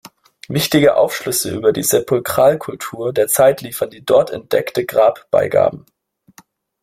Wichtige Aufschlüsse über die Sepulkralkultur der Zeit liefern die dort entdeckte Grabbeigaben.